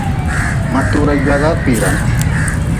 Ma tura gwaga kpiran.